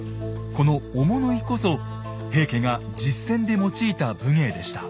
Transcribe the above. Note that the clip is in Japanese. この追物射こそ平家が実戦で用いた武芸でした。